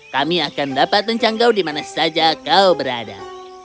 kami akan dapat mencanggau dimana saja kau berada